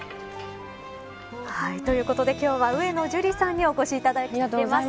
ということで、今日は上野樹里さんにお越しいただいています。